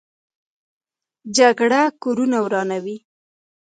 جګړه کورونه ورانوي